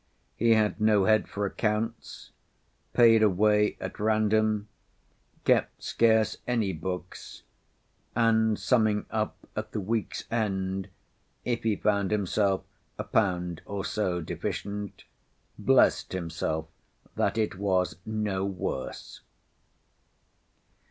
He had no head for accounts, paid away at random, kept scarce any books, and summing up at the week's end, if he found himself a pound or so deficient, blest himself that it was no worse.